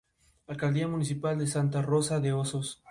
Es, por tanto, un edificio militar para la defensa.